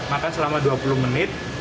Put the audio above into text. makan selama dua puluh menit